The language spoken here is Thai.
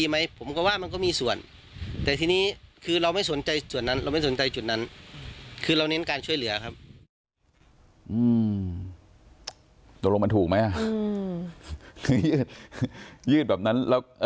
หรือยืดแบบนั้น